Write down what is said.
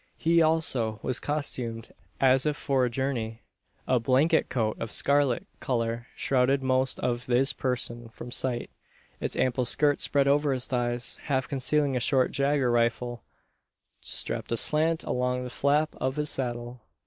He, also, was costumed as if for a journey. A "blanket coat" of scarlet colour shrouded most of his person from sight its ample skirts spread over his thighs, half concealing a short jager rifle, strapped aslant along the flap of his saddle.